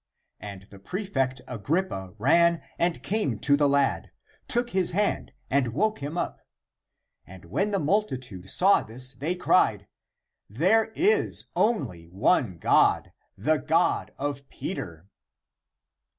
And the prefect Agrippa ran and came to the lad, took his hand, and woke him up. And when the multitude saw this, they cried, " There is only one God, the God of Peter."